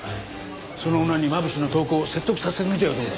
その女に真渕の投降を説得させてみてはどうだ？